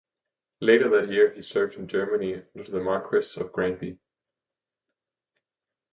Later that year he served in Germany under the Marquess of Granby.